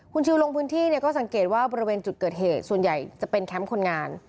คุณชิลลงพื้นที่เนี่ยก็สังเกตว่าบริเวณจุดเกิดเหตุส่วนใหญ่จะเป็นแคมป์คนงาน